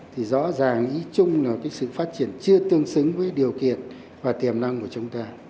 thì rõ ràng ý chung là cái sự phát triển chưa tương xứng với điều kiện và tiềm năng của chúng ta